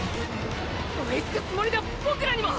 追いつくつもりだボクらにも！！